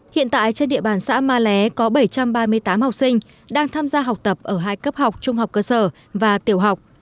hiện tại trên địa bàn xã ma lé có bảy trăm ba mươi tám học sinh đang tham gia học tập ở hai cấp học trung học cơ sở và tiểu học